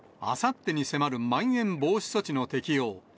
あさってに迫るまん延防止措置の適用。